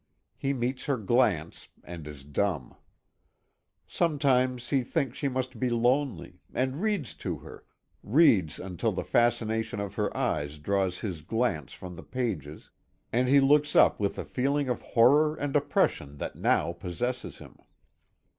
He meets her glance, and is dumb. Sometimes he thinks she must be lonely, and reads to her, reads until the fascination of her eyes draws his glance from the pages, and he looks up with the feeling of horror and oppression that now possesses him.